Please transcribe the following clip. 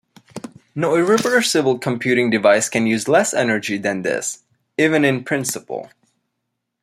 No irreversible computing device can use less energy than this, even in principle.